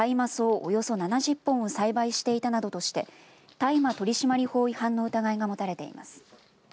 およそ７０本を栽培していたなどとして大麻取締法違反の疑いが持たれています。